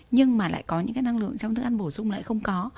nhưng mà lại có những cái năng lượng trong thức ăn bổ sung lại không có